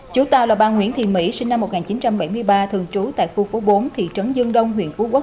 chủ tàu là bà nguyễn thị mỹ sinh năm một nghìn chín trăm bảy mươi ba thường trú tại khu phố bốn thị trấn dương đông huyện phú quốc